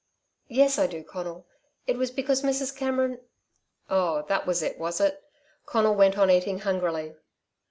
"Yes, I do, Conal. It was because Mrs. Cameron " "Oh, that was it, was it?" Conal went on eating, hungrily.